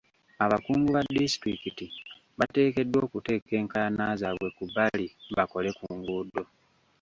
Abakungu ba disitulikiti bateekeddwa okuteeka enkaayana zaabwe ku bbali bakole ku nguudo.